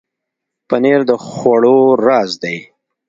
پنېر د خوړو راز دی.